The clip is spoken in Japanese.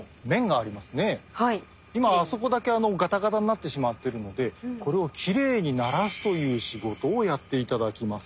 今あそこだけガタガタになってしまっているのでこれをきれいにならすという仕事をやって頂きます。